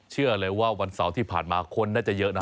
เชื่อเลยว่าวันเสาร์ที่ผ่านมาคนน่าจะเยอะนะ